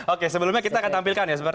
oke sebelumnya kita akan tampilkan ya